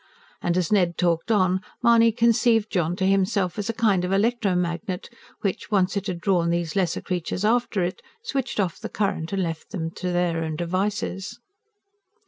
And as Ned talked on, Mahony conceived John to himself as a kind of electro magnet, which, once it had drawn these lesser creatures after it, switched off the current and left them to their own devices.